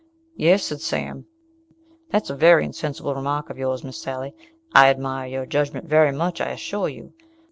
"Yes," said Sam, "dat's a wery insensible remark of yours, Miss Sally. I admire your judgment wery much, I assure you.